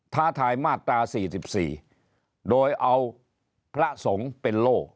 ท้าทายมาตรา๔๔โดยเอาพระสงฆ์เป็นโล่